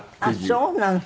あっそうなの。